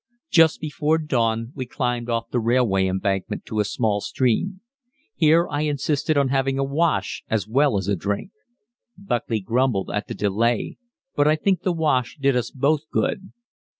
Just before dawn we climbed off the railway embankment to a small stream. Here I insisted on having a wash as well as a drink. Buckley grumbled at the delay, but I think the wash did us both good.